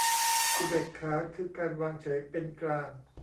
อุเบกขาคือการวางเฉยเป็นกลาง